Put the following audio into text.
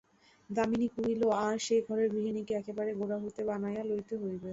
দামিনী কহিল, আর, সেই ঘরের গৃহিণীকে একেবারে গোড়া হইতে বানাইয়া লইতে হইবে।